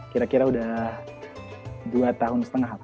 kira kira udah dua tahun setengah